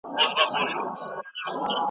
خو ستا صبر هرګز نه دی د ستایلو .